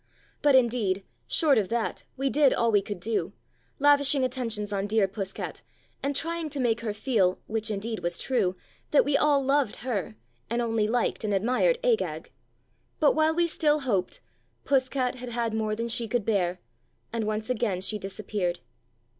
But indeed, short of that, we did all we could do, lavishing attentions on dear Puss cat, and trying to make her feel (which indeed was true) that we all loved her, and only liked and admired Agag. But while we still hoped, Puss cat had had more than she could bear, and once again she disappeared.